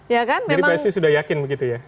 jadi pasti sudah yakin begitu ya